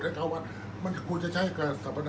อันไหนที่มันไม่จริงแล้วอาจารย์อยากพูด